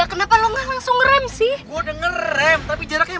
mending kita pergi dari sini ya